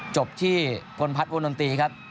จบที่คนพัดวงดนตรีครับ